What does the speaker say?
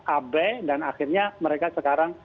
ab dan akhirnya mereka sekarang